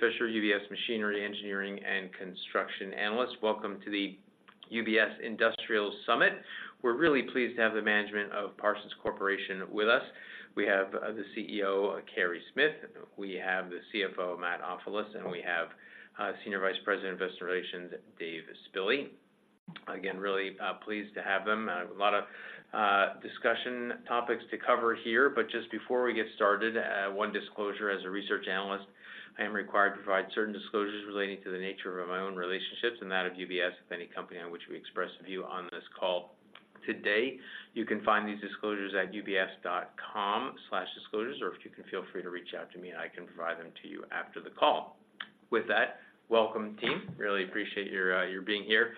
Fisher, UBS Machinery Engineering and Construction Analyst. Welcome to the UBS Industrial Summit. We're really pleased to have the management of Parsons Corporation with us. We have the CEO, Carey Smith. We have the CFO, Matt Ofilos, and we have Senior Vice President of Investor Relations, Dave Spille. Again, really pleased to have them. A lot of discussion topics to cover here, but just before we get started, one disclosure, as a research analyst, I am required to provide certain disclosures relating to the nature of my own relationships and that of UBS with any company on which we express a view on this call today. You can find these disclosures at ubs.com/disclosures, or if you can feel free to reach out to me, and I can provide them to you after the call. With that, welcome, team. Really appreciate your being here.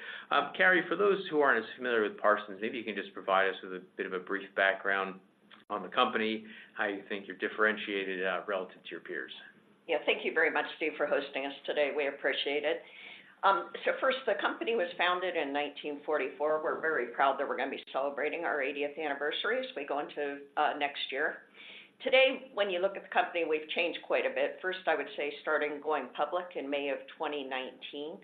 Carey, for those who aren't as familiar with Parsons, maybe you can just provide us with a bit of a brief background on the company, how you think you're differentiated, relative to your peers. Yeah, thank you very much, Steve, for hosting us today. We appreciate it. So first, the company was founded in 1944. We're very proud that we're going to be celebrating our 80th anniversary as we go into next year. Today, when you look at the company, we've changed quite a bit. First, I would say starting going public in May of 2019,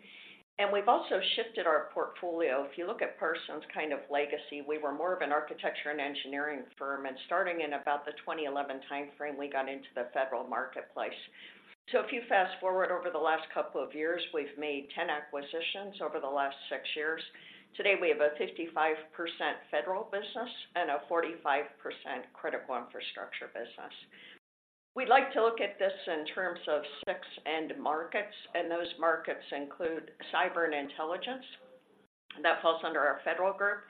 and we've also shifted our portfolio. If you look at Parsons' kind of legacy, we were more of an architecture and engineering firm, and starting in about the 2011 timeframe, we got into the federal marketplace. So, if you fast forward over the last couple of years, we've made 10 acquisitions over the last six years. Today, we have a 55% federal business and a 45% critical infrastructure business. We'd like to look at this in terms of six end markets, and those markets include cyber and intelligence. That falls under our federal group.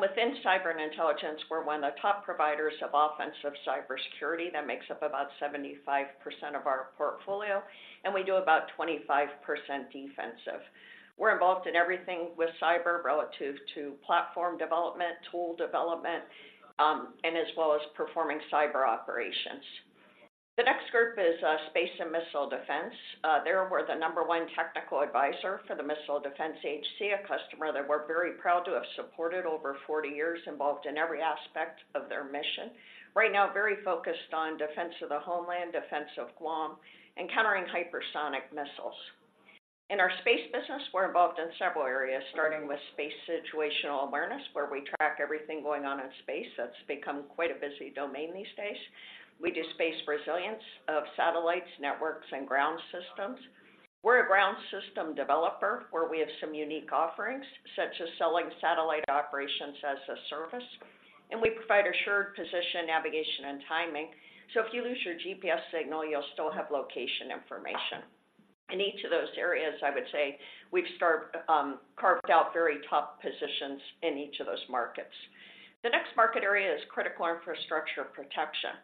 Within cyber and intelligence, we're one of the top providers of offensive cybersecurity. That makes up about 75% of our portfolio, and we do about 25% defensive. We're involved in everything with cyber relative to platform development, tool development, and as well as performing cyber operations. The next group is Space and Missile Defense. There we're the number one technical advisor for the Missile Defense Agency, a customer that we're very proud to have supported over 40 years, involved in every aspect of their mission. Right now, very focused on defense of the homeland, defense of Guam, and countering hypersonic missiles. In our space business, we're involved in several areas, starting with space situational awareness, where we track everything going on in space. That's become quite a busy domain these days. We do space resilience of satellites, networks, and ground systems. We're a ground system developer, where we have some unique offerings, such as selling satellite operations as a service, and we provide assured position, navigation, and timing. So if you lose your GPS signal, you'll still have location information. In each of those areas, I would say we've carved out very top positions in each of those markets. The next market area is Critical Infrastructure Protection,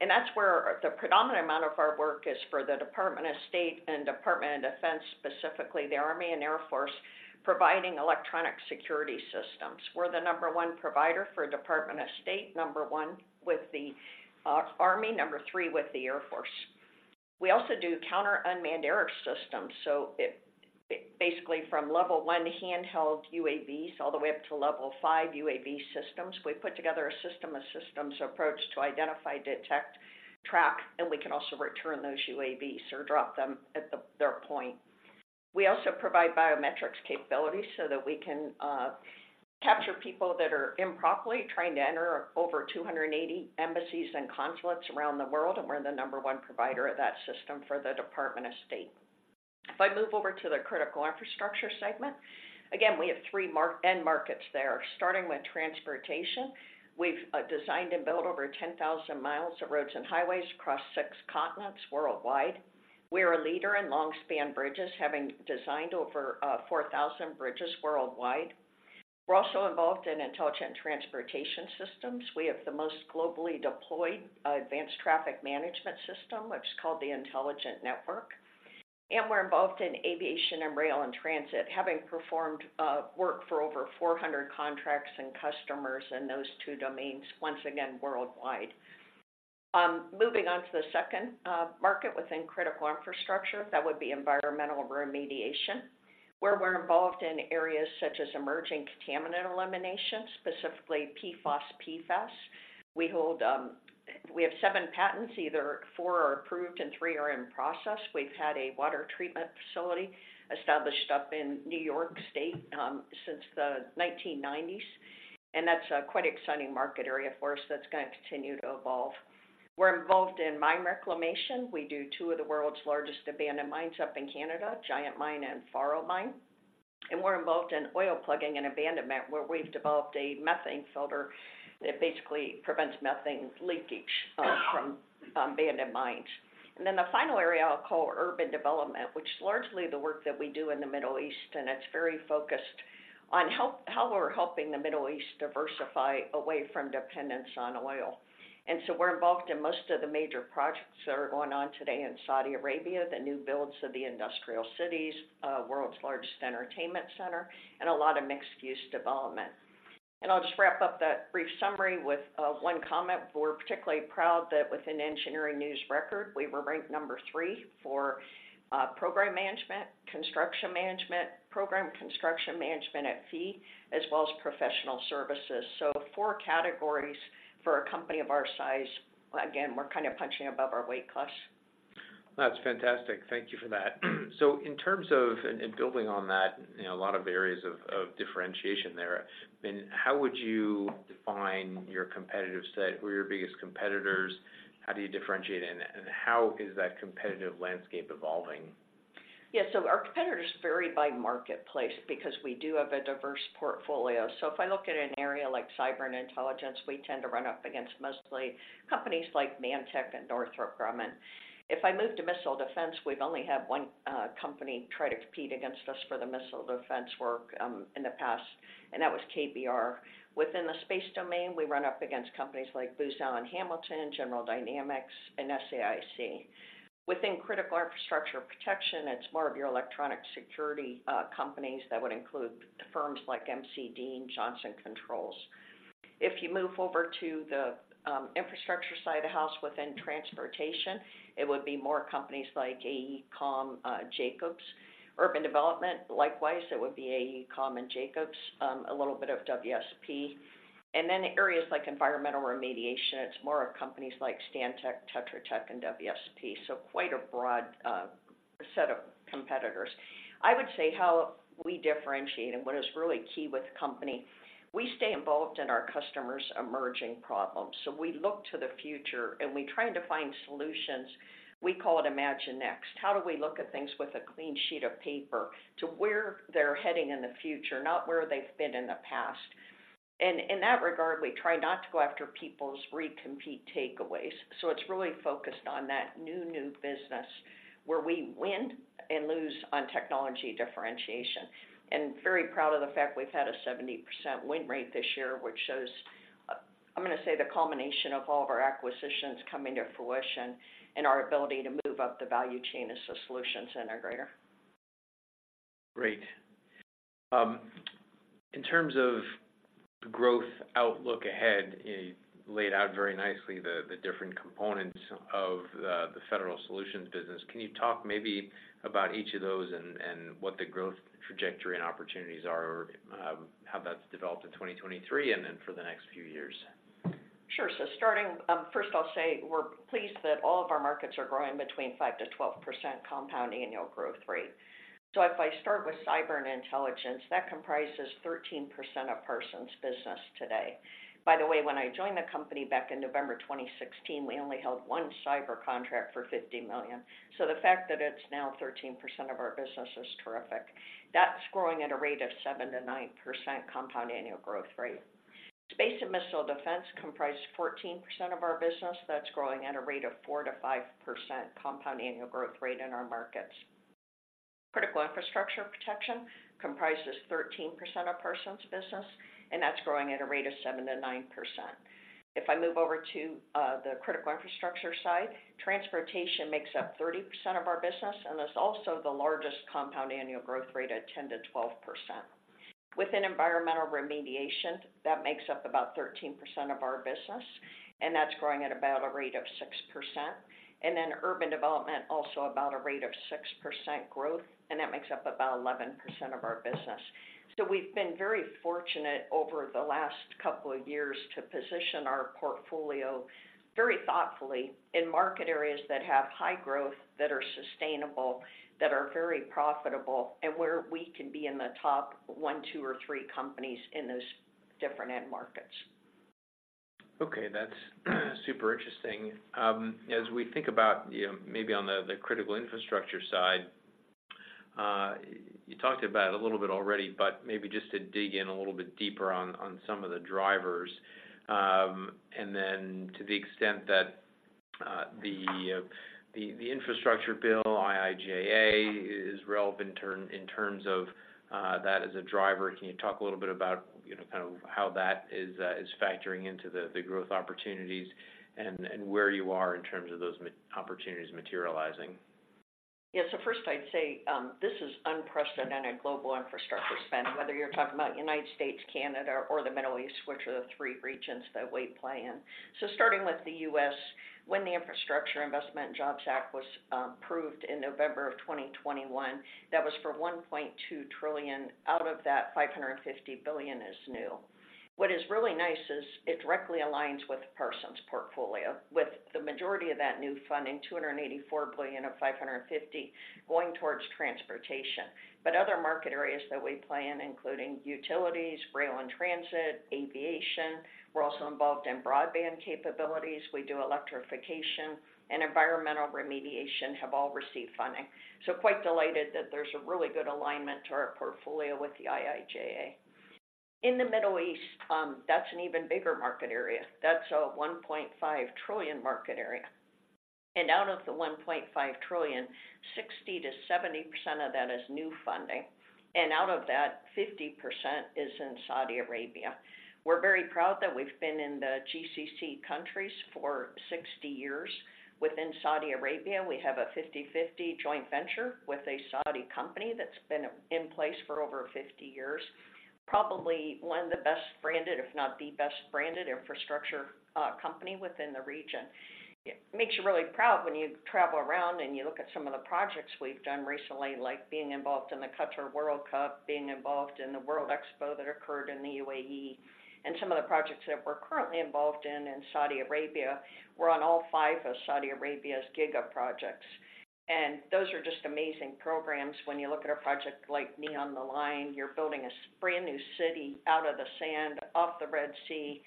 and that's where the predominant amount of our work is for the Department of State and Department of Defense, specifically the Army and Air Force, providing electronic security systems. We're the number one provider for Department of State, number one with the Army, number three with the Air Force. We also do counter unmanned air systems, so it basically from level one handheld UAVs all the way up to level five UAV systems. We put together a system of systems approach to identify, detect, track, and we can also return those UAVs or drop them at their point. We also provide biometrics capabilities so that we can capture people that are improperly trying to enter over 280 embassies and consulates around the world, and we're the number one provider of that system for the Department of State. If I move over to the critical infrastructure segment, again, we have three end markets there, starting with transportation. We've designed and built over 10,000 miles of roads and highways across six continents worldwide. We're a leader in long-span bridges, having designed over 4,000 bridges worldwide. We're also involved in intelligent transportation systems. We have the most globally deployed advanced traffic management system, which is called the Intelligent NETworks. And we're involved in aviation and rail and transit, having performed work for over 400 contracts and customers in those two domains, once again, worldwide. Moving on to the second market within critical infrastructure, that would be environmental remediation, where we're involved in areas such as emerging contaminant elimination, specifically PFOS, PFAS. We have seven patents, either four are approved and three are in process. We've had a water treatment facility established up in New York State, since the 1990s, and that's a quite exciting market area for us that's going to continue to evolve. We're involved in mine reclamation. We do two of the world's largest abandoned mines up in Canada, Giant Mine and Faro Mine. And we're involved in oil plugging and abandonment, where we've developed a methane filter that basically prevents methane leakage, from, abandoned mines. And then the final area I'll call urban development, which is largely the work that we do in the Middle East, and it's very focused on how we're helping the Middle East diversify away from dependence on oil. And so, we're involved in most of the major projects that are going on today in Saudi Arabia, the new builds of the industrial cities, world's largest entertainment center, and a lot of mixed-use development. And I'll just wrap up that brief summary with one comment. We're particularly proud that within Engineering News-Record, we were ranked number three for program management, construction management, program construction management at fee, as well as professional services. So four categories for a company of our size. Again, we're kind of punching above our weight class. That's fantastic. Thank you for that. So, in terms of building on that, you know, a lot of areas of differentiation there, then how would you define your competitive set? Who are your biggest competitors? How do you differentiate, and how is that competitive landscape evolving? Yeah, so our competitors vary by marketplace because we do have a diverse portfolio. So if I look at an area like cyber and intelligence, we tend to run up against mostly companies like ManTech and Northrop Grumman. If I move to missile defense, we've only had one company try to compete against us for the missile defense work in the past, and that was KBR. Within the space domain, we run up against companies like Booz Allen Hamilton, General Dynamics, and SAIC. Within critical infrastructure protection, it's more of your electronic security companies. That would include firms like M.C. Dean, Johnson Controls. If you move over to the infrastructure side of the house, within transportation, it would be more companies like AECOM, Jacobs. Urban Development, likewise, it would be AECOM and Jacobs, a little bit of WSP. And then areas like environmental remediation, it's more of companies like Stantec, Tetra Tech, and WSP. So quite a broad set of competitors. I would say how we differentiate and what is really key with the company, we stay involved in our customer's emerging problems. So we look to the future, and we try to find solutions. We call it Imagine Next. How do we look at things with a clean sheet of paper to where they're heading in the future, not where they've been in the past? And in that regard, we try not to go after people's recompete takeaways, so it's really focused on that new, new business where we win and lose on technology differentiation. Very proud of the fact we've had a 70% win rate this year, which shows, I'm going to say, the culmination of all of our acquisitions coming to fruition and our ability to move up the value chain as a solutions integrator. Great. In terms of growth outlook ahead, you laid out very nicely the, the different components of the federal solutions business. Can you talk maybe about each of those and, and what the growth trajectory and opportunities are, or how that's developed in 2023 and then for the next few years? Sure. So, first, I'll say we're pleased that all of our markets are growing between 5% to 12% compound annual growth rate. So if I start with cyber and intelligence, that comprises 13% of Parsons business today. By the way, when I joined the company back in November 2016, we only held one cyber contract for $50 million. So, the fact that it's now 13% of our business is terrific. That's growing at a rate of 7% to 9% compound annual growth rate. Space and missile defense comprise 14% of our business. That's growing at a rate of 4% to 5% compound annual growth rate in our markets. Critical infrastructure protection comprises 13% of Parsons business, and that's growing at a rate of 7% to 9%. If I move over to the critical infrastructure side, transportation makes up 30% of our business, and that's also the largest compound annual growth rate at 10% to 12%. Within environmental remediation, that makes up about 13% of our business, and that's growing at about a rate of 6%. And then urban development, also about a rate of 6% growth, and that makes up about 11% of our business. So, we've been very fortunate over the last couple of years to position our portfolio very thoughtfully in market areas that have high growth, that are sustainable, that are very profitable, and where we can be in the top one, two, or three companies in those different end markets. Okay, that's super interesting. As we think about, you know, maybe on the critical infrastructure side, you talked about it a little bit already, but maybe just to dig in a little bit deeper on some of the drivers. And then to the extent that the infrastructure bill, IIJA, is relevant in terms of that as a driver, can you talk a little bit about, you know, kind of how that is factoring into the growth opportunities and where you are in terms of those opportunities materializing? Yeah. So first I'd say, this is unprecedented global infrastructure spend, whether you're talking about United States, Canada, or the Middle East, which are the three regions that we play in. So, starting with the US, when the Infrastructure Investment and Jobs Act was approved in November of 2021, that was for $1.2 trillion. Out of that, $550 billion is new. What is really nice is it directly aligns with Parsons' portfolio, with the majority of that new funding, $284 billion of $550 billion, going towards transportation. But other market areas that we play in, including utilities, rail and transit, aviation, we're also involved in broadband capabilities, we do electrification and environmental remediation, have all received funding. So quite delighted that there's a really good alignment to our portfolio with the IIJA. In the Middle East, that's an even bigger market area. That's a $1.5 trillion market area, and out of the $1.5 trillion, 60% to 70% of that is new funding, and out of that, 50% is in Saudi Arabia. We're very proud that we've been in the GCC countries for 60 years. Within Saudi Arabia, we have a 50/50 joint venture with a Saudi company that's been in place for over 50 years. Probably one of the best branded, if not the best branded, infrastructure company within the region. It makes you really proud when you travel around, and you look at some of the projects we've done recently, like being involved in the Qatar World Cup, being involved in the World Expo that occurred in the UAE, and some of the projects that we're currently involved in in Saudi Arabia. We're on all five of Saudi Arabia's giga projects, and those are just amazing programs. When you look at a project like NEOM The Line, you're building a brand new city out of the sand, off the Red Sea,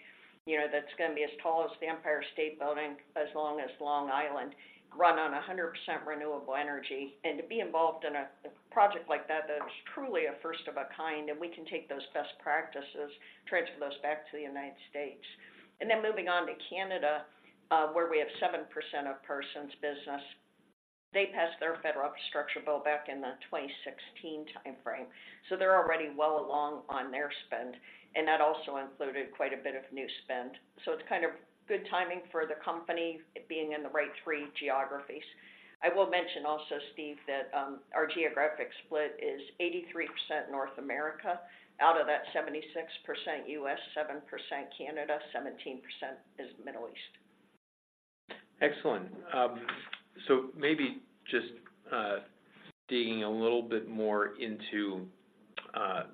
you know, that's gonna be as tall as the Empire State Building, as long as Long Island, run on 100% renewable energy. And to be involved in a project like that, that is truly a first of a kind, and we can take those best practices, transfer those back to the United States. And then moving on to Canada, where we have 7% of Parsons business. They passed their federal infrastructure bill back in the 2016 timeframe, so they're already well along on their spend, and that also included quite a bit of new spend. So it's kind of good timing for the company, it being in the right three geographies. I will mention also, Steve, that our geographic split is 83% North America. Out of that, 76% US, 7% Canada, 17% is Middle East. Excellent. So maybe just digging a little bit more into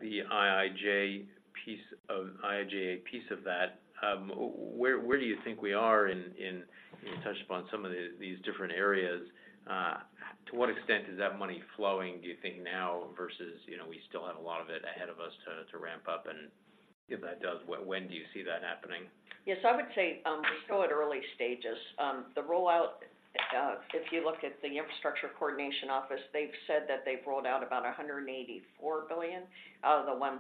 the IIJA piece of that, where do you think we are in. You touched upon some of these different areas, to what extent is that money flowing, do you think now, versus, you know, we still have a lot of it ahead of us to ramp up? And if that does, when do you see that happening? Yes, I would say, we're still at early stages. The rollout, if you look at the Infrastructure Coordination Office, they've said that they've rolled out about $184 billion out of the $1.2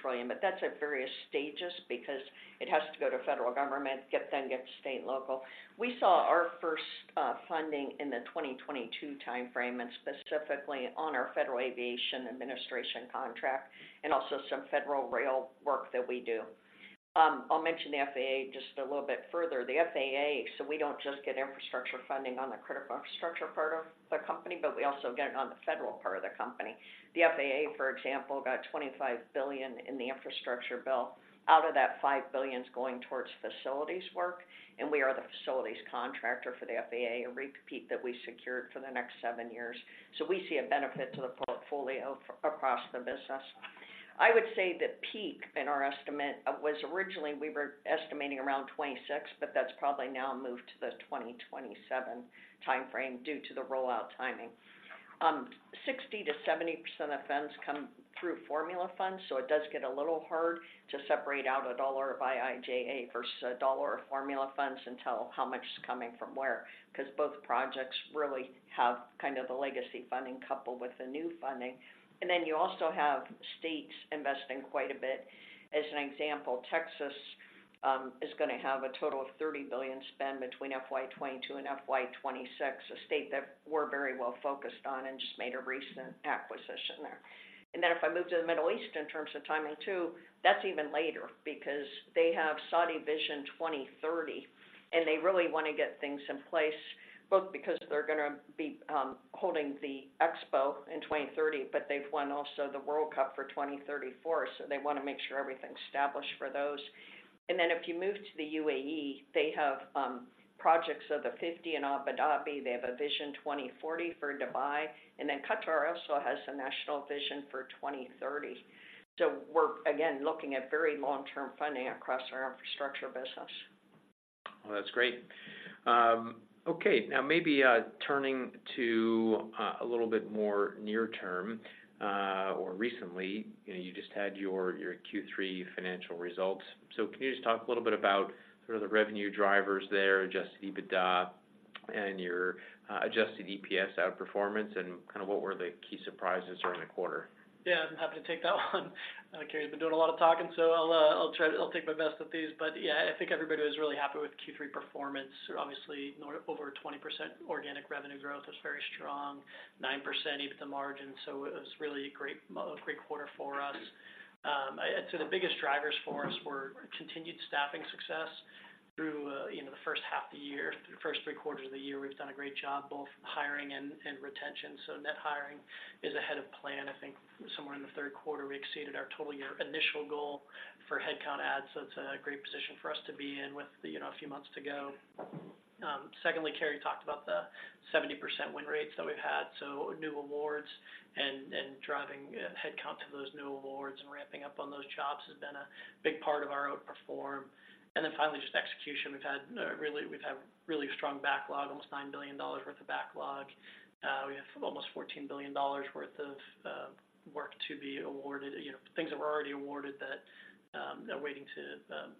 trillion, but that's at various stages because it has to go to federal government, then get to state and local. We saw our first funding in the 2022 timeframe, and specifically on our Federal Aviation Administration contract, and also some federal rail work that we do. I'll mention the FAA just a little bit further. The FAA, so we don't just get infrastructure funding on the critical infrastructure part of the company, but we also get it on the federal part of the company. The FAA, for example, got $25 billion in the infrastructure bill. Out of that, $5 billion is going towards facilities work, and we are the facilities contractor for the FAA, a repeat that we secured for the next seven years. So we see a benefit to the portfolio across the business. I would say that peak in our estimate was originally we were estimating around 2026, but that's probably now moved to the 2027 timeframe due to the rollout timing. 60% to 70% of funds come through formula funds, so it does get a little hard to separate out a dollar of IIJA versus a dollar of formula funds and tell how much is coming from where, 'cause both projects really have kind of the legacy funding coupled with the new funding. And then you also have states investing quite a bit. As an example, Texas is gonna have a total of $30 billion spent between FY 2022 and FY 2026, a state that we're very well focused on and just made a recent acquisition there. And then if I move to the Middle East in terms of timing, too, that's even later because they have Saudi Vision 2030, and they really want to get things in place, both because they're gonna be holding the Expo in 2030, but they've won also the World Cup for 2034, so they want to make sure everything's established for those. And then if you move to the UAE, they have Projects of the 50 in Abu Dhabi, they have a Vision 2040 for Dubai, and then Qatar also has a national vision for 2030. So, we're again looking at very long-term funding across our infrastructure business. Well, that's great. Okay, now maybe turning to a little bit more near term or recently, you know, you just had your, your third quarter financial results. So, can you just talk a little bit about sort of the revenue drivers there, Adjusted EBITDA, and your adjusted EPS outperformance, and kind of what were the key surprises during the quarter? Yeah, I'm happy to take that one. Carey, you've been doing a lot of talking, so I'll take my best at these. But yeah, I think everybody was really happy with third quarter performance. Obviously, over 20% organic revenue growth is very strong, 9% EBITDA margin, so it was really a great quarter for us. So the biggest drivers for us were continued staffing success through, you know, the first half of the year. The first three quarters of the year, we've done a great job, both hiring and retention. So net hiring is ahead of plan. I think somewhere in the third quarter, we exceeded our total year initial goal for headcount adds, so it's a great position for us to be in with, you know, a few months to go. Secondly, Carey talked about the 70% win rates that we've had, so new awards and, and driving headcount to those new awards and ramping up on those jobs has been a big part of our outperform. And then finally, just execution. We've had really strong backlog, almost $9 billion worth of backlog. We have almost $14 billion worth of work to be awarded. You know, things that were already awarded that are waiting to,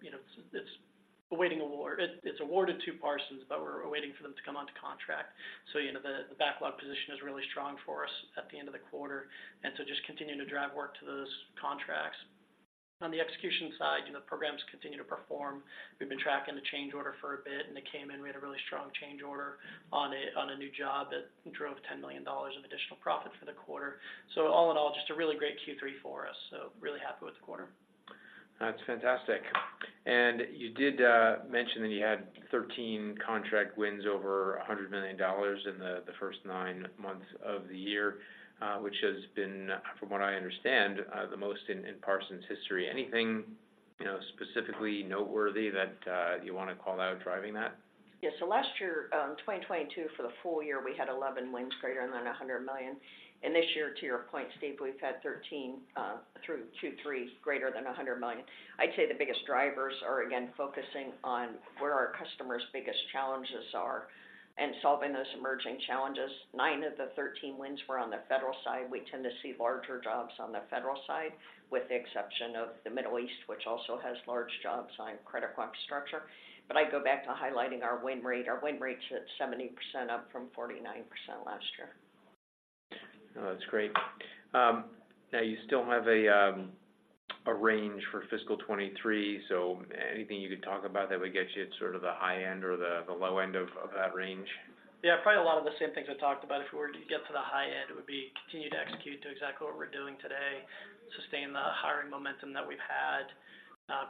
you know, it's awaiting award. It, it's awarded to Parsons, but we're waiting for them to come onto contract. So, you know, the backlog position is really strong for us at the end of the quarter, and so just continuing to drive work to those contracts. On the execution side, you know, programs continue to perform. We've been tracking the change order for a bit, and it came in. We had a really strong change order on a, on a new job that drove $10 million of additional profit for the quarter. So all in all, just a really great third quarter for us, so really happy with the quarter. That's fantastic. And you did mention that you had 13 contract wins over $100 million in the first nine months of the year, which has been, from what I understand, the most in Parsons history. Anything, you know, specifically noteworthy that you want to call out driving that? Yes. So last year, 2022, for the full year, we had 11 wins greater than $100 million. This year, to your point, Steve, we've had 13 through 2Q's greater than $100 million. I'd say the biggest drivers are, again, focusing on where our customers' biggest challenges are and solving those emerging challenges. Nine of the 13 wins were on the federal side. We tend to see larger jobs on the federal side, with the exception of the Middle East, which also has large jobs on critical infrastructure. But I'd go back to highlighting our win rate. Our win rate is at 70%, up from 49% last year. Oh, that's great. Now you still have a range for fiscal 2023, so anything you could talk about that would get you at sort of the high end or the low end of that range? Yeah, probably a lot of the same things I talked about. If we were to get to the high end, it would be continue to execute to exactly what we're doing today, sustain the hiring momentum that we've had,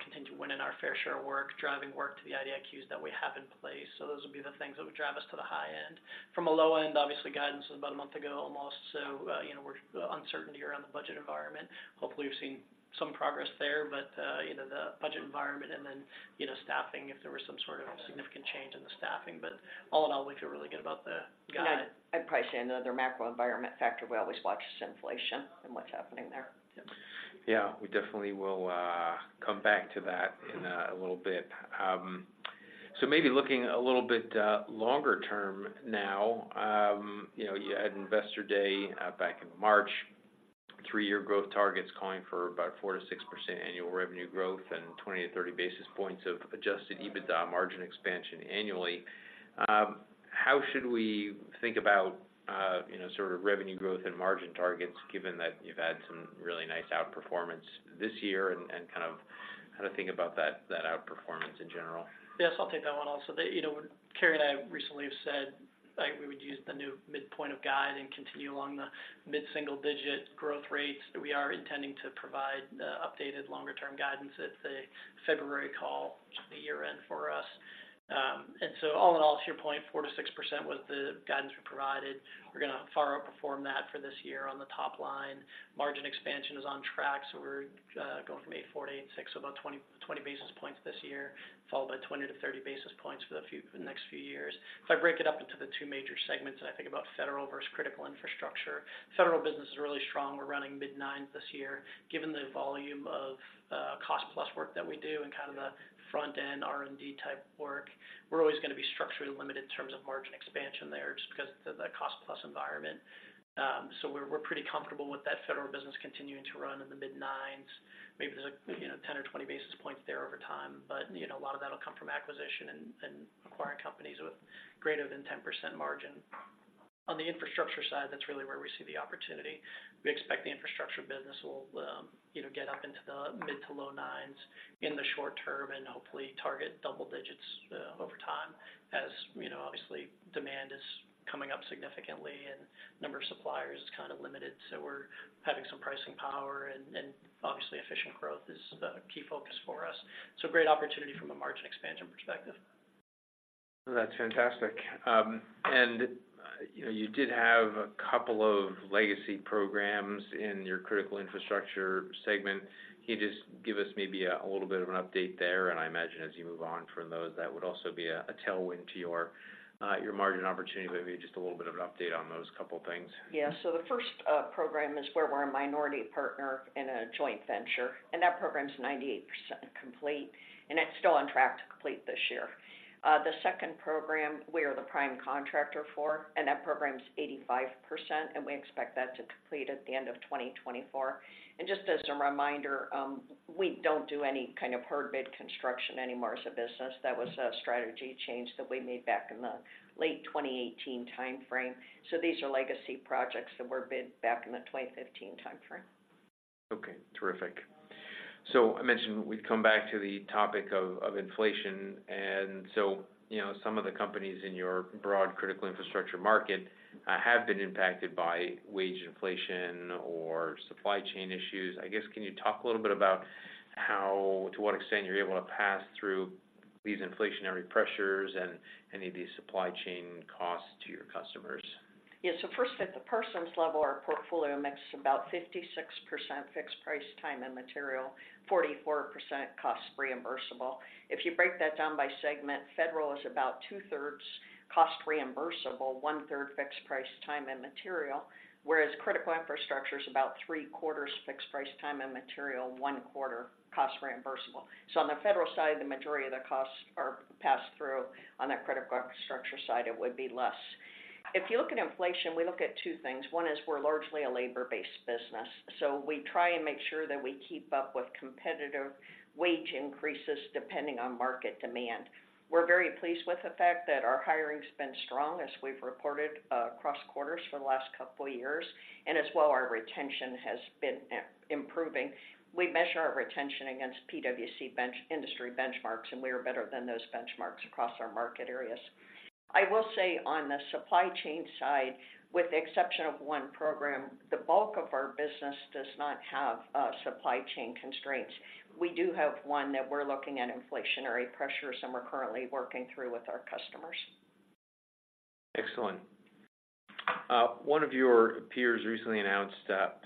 continue to win in our fair share work, driving work to the IDIQs that we have in place. So those would be the things that would drive us to the high end. From a low end, obviously, guidance was about a month ago, almost. So, you know, we're uncertainty around the budget environment. Hopefully, we've seen some progress there, but, you know, the budget environment and then, you know, staffing, if there was some sort of significant change in the staffing. But all in all, we feel really good about the guide. I'd probably say another macro environment factor we always watch is inflation and what's happening there. Yeah, we definitely will, come back to that in, a little bit. So maybe looking a little bit, longer term now, you know, you had Investor Day, back in March, three-year growth targets calling for about 4% to 6% annual revenue growth and 20 to 30 basis points of Adjusted EBITDA margin expansion annually. How should we think about, you know, sort of revenue growth and margin targets, given that you've had some really nice outperformance this year, and, and kind of how to think about that, that outperformance in general? Yes, I'll take that one also. That you know, Carey and I recently have said, like, we would use the new midpoint of guide and continue along the mid-single-digit growth rates. We are intending to provide updated longer-term guidance at the February call, the year-end for us. And so all in all, to your point, 4% to 6% was the guidance we provided. We're going to far outperform that for this year on the top line. Margin expansion is on track, so we're going from 8.4 to 8.6, so about 20 basis points this year, followed by 20 at 30 basis points for the next few years. If I break it up into the two major segments, and I think about federal versus critical infrastructure, federal business is really strong. We're running mid-nines this year, given the volume of cost-plus work that we do and kind of the front-end R&D type work. We're always going to be structurally limited in terms of margin expansion there, just because of the cost-plus environment. So we're pretty comfortable with that federal business continuing to run in the mid-nines. Maybe there's a you know 10 or 20 basis points there over time, but you know a lot of that will come from acquisition and acquiring companies with greater than 10% margin. On the infrastructure side, that's really where we see the opportunity. We expect the infrastructure business will, you know, get up into the mid to low-nines in the short term and hopefully target double digits, over time, as, you know, obviously, demand is coming up significantly and number of suppliers is kind of limited, so we're having some pricing power, and obviously, efficient growth is the key focus for us. So great opportunity from a margin expansion perspective. That's fantastic. You know, you did have a couple of legacy programs in your critical infrastructure segment. Can you just give us maybe a little bit of an update there? And I imagine as you move on from those, that would also be a tailwind to your margin opportunity, maybe just a little bit of an update on those couple of things. Yeah. So the first program is where we're a minority partner in a joint venture, and that program is 98% complete, and it's still on track to complete this year. The second program, we are the prime contractor for, and that program is 85%, and we expect that to complete at the end of 2024. And just as a reminder, we don't do any kind of hard bid construction anymore as a business. That was a strategy change that we made back in the late 2018 timeframe. So these are legacy projects that were bid back in the 2015 timeframe. Okay, terrific. So I mentioned we'd come back to the topic of, of inflation, and so, you know, some of the companies in your broad critical infrastructure market have been impacted by wage inflation or supply chain issues. I guess, can you talk a little bit about how, to what extent you're able to pass through these inflationary pressures and any of these supply chain costs to your customers? Yeah. So first, at the Parsons level, our portfolio mix is about 56% fixed price, time and material, 44% cost reimbursable. If you break that down by segment, federal is about 2/3 cost reimbursable, 1/3 fixed price, time, and material, whereas critical infrastructure is about 3/4 fixed price, time, and material, 1/4 cost reimbursable. So on the federal side, the majority of the costs are passed through. On the critical infrastructure side, it would be less. If you look at inflation, we look at two things. One is we're largely a labor-based business, so we try and make sure that we keep up with competitive wage increases depending on market demand. We're very pleased with the fact that our hiring has been strong, as we've reported, across quarters for the last couple of years, and as well, our retention has been, improving. We measure our retention against PwC industry benchmarks, and we are better than those benchmarks across our market areas. I will say on the supply chain side, with the exception of one program, the bulk of our business does not have, supply chain constraints. We do have one that we're looking at inflationary pressures and we're currently working through with our customers. Excellent. One of your peers recently announced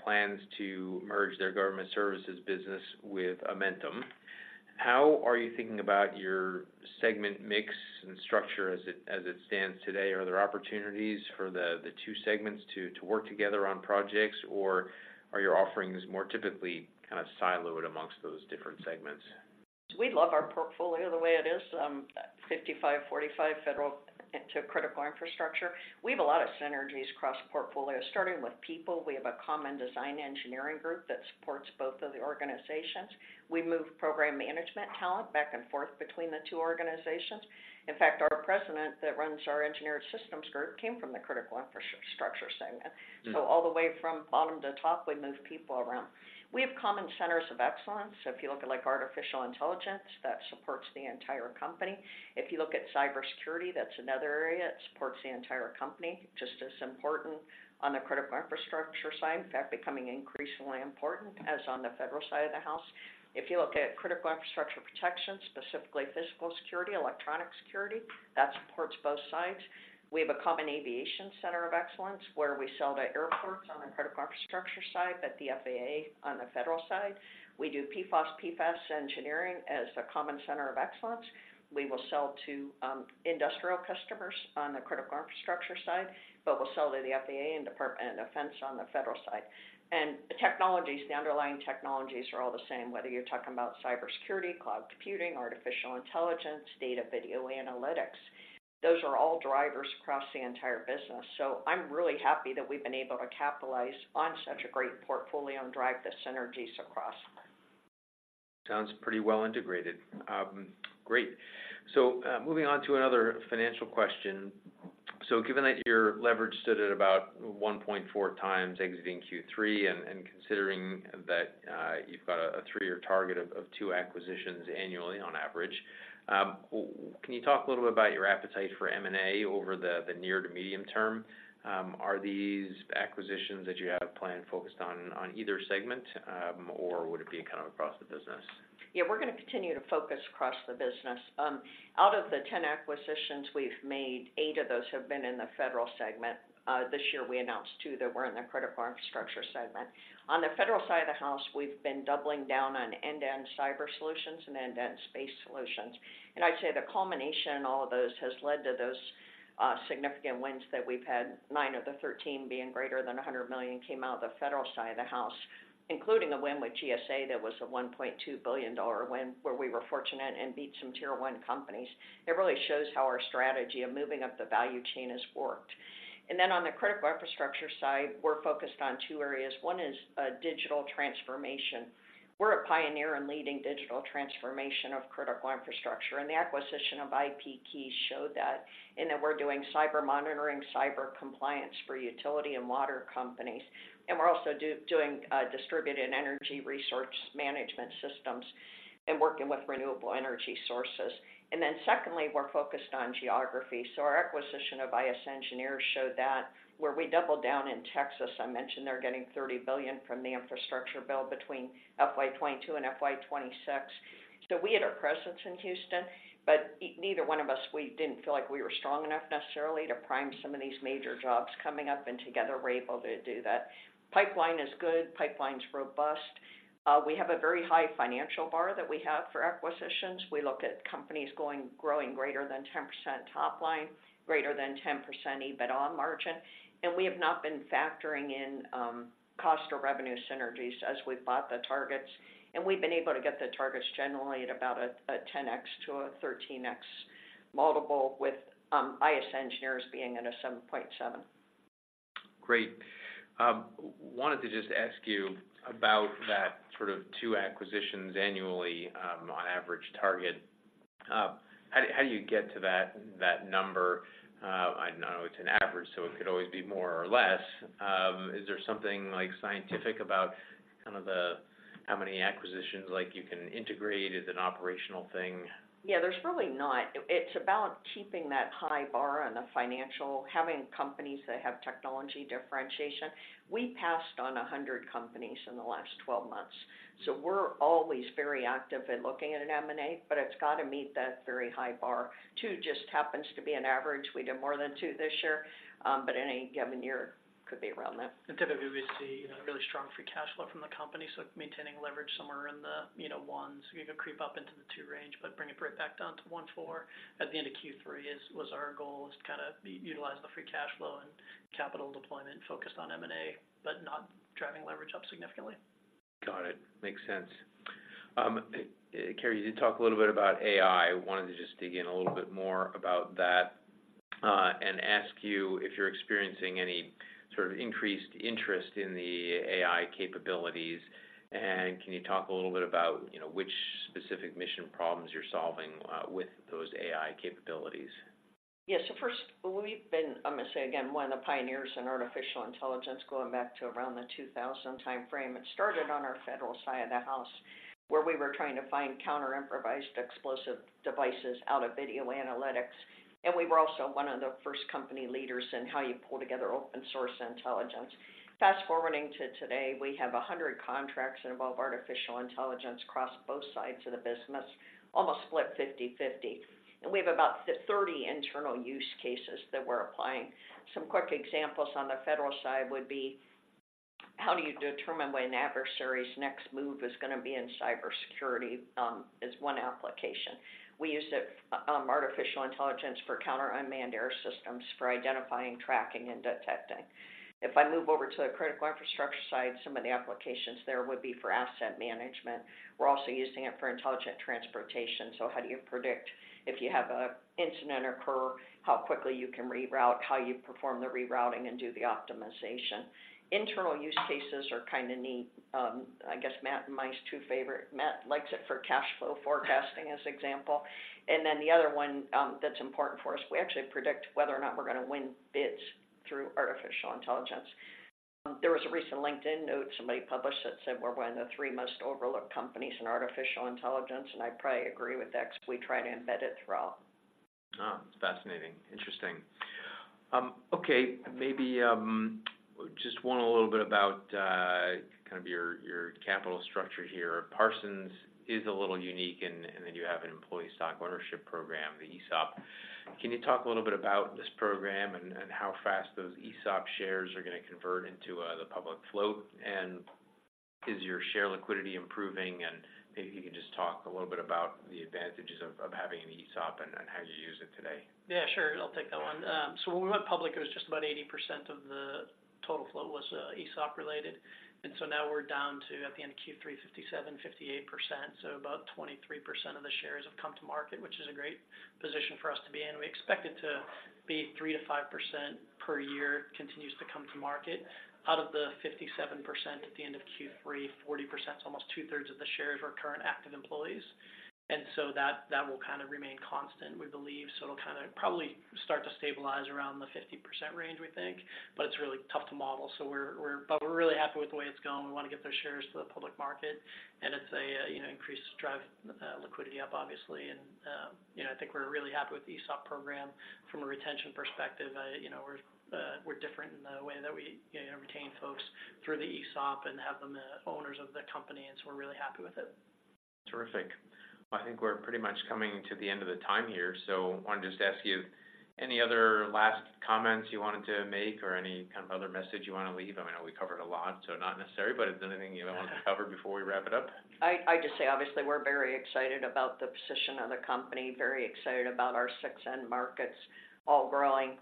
plans to merge their government services business with Amentum. How are you thinking about your segment mix and structure as it stands today? Are there opportunities for the two segments to work together on projects, or are your offerings more typically kind of siloed amongst those different segments? We love our portfolio the way it is, 55/45 federal to critical infrastructure. We have a lot of synergies across the portfolio, starting with people. We have a common design engineering group that supports both of the organizations. We move program management talent back and forth between the two organizations. In fact, our president that runs our Engineered Systems group came from the critical infrastructure segment... Mm. So all the way from bottom to top, we move people around. We have common centers of excellence. So if you look at, like, artificial intelligence, that supports the entire company. If you look at cybersecurity, that's another area that supports the entire company, just as important on the critical infrastructure side. In fact, becoming increasingly important as on the federal side of the house. If you look at critical infrastructure protection, specifically physical security, electronic security, that supports both sides. We have a common aviation center of excellence, where we sell to airports on the critical infrastructure side, but the FAA on the federal side. We do PFAS, PFOS engineering as a common center of excellence. We will sell to industrial customers on the critical infrastructure side, but we'll sell to the FAA and Department of Defense on the federal side. The technologies, the underlying technologies are all the same, whether you're talking about cybersecurity, cloud computing, artificial intelligence, data video analytics, those are all drivers across the entire business. So, I'm really happy that we've been able to capitalize on such a great portfolio and drive the synergies across. Sounds pretty well integrated. Great. So, moving on to another financial question. So given that your leverage stood at about 1.4 times exiting third quarter, and, and considering that, you've got a three-year target of two acquisitions annually on average, can you talk a little bit about your appetite for M&A over the near to medium term? Are these acquisitions that you have planned focused on either segment, or would it be kind of across the business? Yeah, we're going to continue to focus across the business. Out of the 10 acquisitions we've made, eight of those have been in the federal segment. This year we announced two that were in the critical infrastructure segment. On the federal side of the house, we've been doubling down on end-to-end cyber solutions and end-to-end space solutions, and I'd say the culmination in all of those has led to those significant wins that we've had. Nine of the 13 being greater than $100 million came out of the federal side of the house, including a win with GSA. That was a $1.2 billion win, where we were fortunate and beat some Tier One companies. It really shows how our strategy of moving up the value chain has worked. And then on the critical infrastructure side, we're focused on two areas. One is, digital transformation. We're a pioneer in leading digital transformation of critical infrastructure, and the acquisition of IPKeys showed that, in that we're doing cyber monitoring, cyber compliance for utility and water companies, and we're also doing distributed energy research management systems and working with renewable energy sources. And then secondly, we're focused on geography. So our acquisition of I.S. Engineers showed that, where we doubled down in Texas, I mentioned they're getting $30 billion from the infrastructure bill between FY 2022 and FY 2026. So, we had a presence in Houston, but neither one of us, we didn't feel like we were strong enough necessarily to prime some of these major jobs coming up, and together we're able to do that. Pipeline is good, pipeline's robust. We have a very high financial bar that we have for acquisitions. We look at companies growing greater than 10% top line, greater than 10% EBITDA on margin, and we have not been factoring in cost or revenue synergies as we've bought the target. We've been able to get the targets generally at about a 10x to a 13x multiple with I.S. Engineers being at a 7.7. Great. Wanted to just ask you about that sort of two acquisitions annually, on average target. How did, how do you get to that, that number? I know it's an average, so it could always be more or less. Is there something, like, scientific about kind of the how many acquisitions, like, you can integrate? Is it an operational thing? Yeah, there's really not. It's about keeping that high bar on the financial, having companies that have technology differentiation. We passed on 100 companies in the last 12 months, so we're always very active in looking at an M&A, but it's got to meet that very high bar. Two just happens to be an average. We did more than two this year, but any given year could be around that. Typically, we see, you know, really strong free cash flow from the company, so maintaining leverage somewhere in the, you know, ones. We could creep up into the two range, but bring it right back down to 1.4 at the end of third quarter was our goal, is to kind of utilize the free cash flow and capital deployment focused on M&A, but not driving leverage up significantly. Got it. Makes sense. Carey, you did talk a little bit about AI. I wanted to just dig in a little bit more about that, and ask you if you're experiencing any sort of increased interest in the AI capabilities, and can you talk a little bit about, you know, which specific mission problems you're solving, with those AI capabilities? Yes. So first, we've been, I'm going to say again, one of the pioneers in artificial intelligence going back to around the 2000 timeframe. It started on our federal side of the house, where we were trying to find counter improvised explosive devices out of video analytics, and we were also one of the first company leaders in how you pull together open source intelligence. Fast-forwarding to today, we have 100 contracts that involve artificial intelligence across both sides of the business, almost split 50/50, and we have about 30 internal use cases that we're applying. Some quick examples on the federal side would be how do you determine when an adversary's next move is gonna be in cybersecurity, is one application. We use it, artificial intelligence for counter unmanned air systems, for identifying, tracking, and detecting. If I move over to the critical infrastructure side, some of the applications there would be for asset management. We're also using it for intelligent transportation. So how do you predict if you have an incident occur, how quickly you can reroute, how you perform the rerouting and do the optimization? Internal use cases are kinda neat. I guess Matt and my's two favorite, Matt likes it for cash flow forecasting, as example. And then the other one, that's important for us, we actually predict whether or not we're gonna win bids through artificial intelligence. There was a recent LinkedIn note somebody published that said we're one of the three most overlooked companies in artificial intelligence, and I probably agree with that because we try to embed it throughout. Ah, fascinating. Interesting. Okay, maybe just a little bit about kind of your capital structure here. Parsons is a little unique, and then you have an employee stock ownership program, the ESOP. Can you talk a little bit about this program and how fast those ESOP shares are gonna convert into the public float? And is your share liquidity improving? And maybe you can just talk a little bit about the advantages of having an ESOP and how you use it today. Yeah, sure. I'll take that one. So, when we went public, it was just about 80% of the total flow was ESOP related. And so now we're down to, at the end of third quarter, 57% to 58%, so about 23% of the shares have come to market, which is a great position for us to be in. We expect it to be 3% to 5% per year, continues to come to market. Out of the 57% at the end of third quarter, 40%, almost two-thirds of the shares, are current active employees, and so that, that will kind of remain constant, we believe. So, it'll kind of probably start to stabilize around the 50% range, we think, but it's really tough to model. So, we're, but we're really happy with the way it's going. We want to get those shares to the public market, and it's a, you know, increased drive, liquidity up, obviously. And, you know, I think we're really happy with the ESOP program from a retention perspective. You know, we're, we're different in the way that we, you know, retain folks through the ESOP and have them as owners of the company, and so we're really happy with it. Terrific. I think we're pretty much coming to the end of the time here, so I want to just ask you, any other last comments you wanted to make or any kind of other message you want to leave? I know we covered a lot, so not necessary, but is there anything you want to cover before we wrap it up? I'd just say, obviously, we're very excited about the position of the company, very excited about our successful end markets all growing.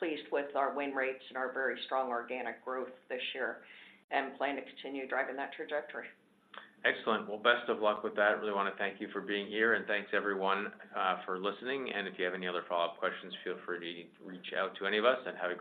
Pleased with our win rates and our very strong organic growth this year, and plan to continue driving that trajectory. Excellent. Well, best of luck with that. I really want to thank you for being here, and thanks, everyone, for listening. If you have any other follow-up questions, feel free to reach out to any of us, and have a...